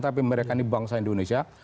tapi mereka ini bangsa indonesia